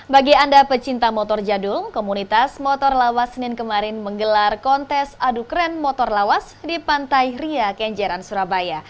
bagi anda pecinta motor jadul komunitas motor lawas senin kemarin menggelar kontes adu kren motor lawas di pantai ria kenjeran surabaya